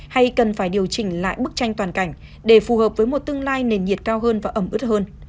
hay cần phải điều chỉnh lại bức tranh toàn cảnh để phù hợp với một tương lai nền nhiệt cao hơn và ẩm ướt hơn